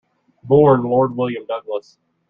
Born Lord William Douglas.